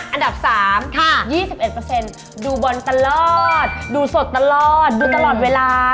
อันดับ๓๒๑ดูบอลตลอดดูสดตลอดดูตลอดเวลา